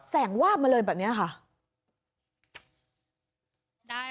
วาบมาเลยแบบนี้ค่ะ